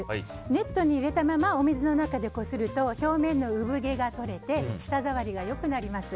ネットに入れたままお水の中でこすると表面の産毛が取れて舌触りが良くなります。